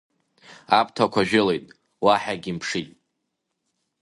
Аԥҭақәа жәылеит, уаҳагь имԥшит.